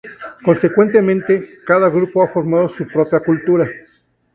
Consecuentemente, cada grupo ha formado su propia cultura.